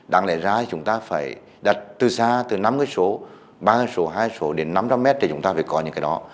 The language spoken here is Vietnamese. đáng lẽ ra thì chúng ta phải đặt từ xa từ năm cái số ba cái số hai cái số đến năm trăm linh mét để chúng ta phải có những cái đó